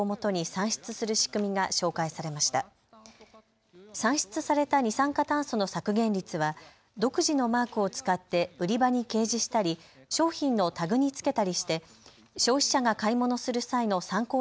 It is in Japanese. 算出された二酸化炭素の削減率は独自のマークを使って売り場に掲示したり商品のタグに付けたりして消費者が買い物する際の参考